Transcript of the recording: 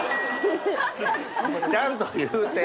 ちゃんと言うて！